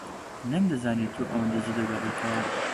نەمدەزانی تۆ ئەوەندە زوو دەگەڕێیتەوە.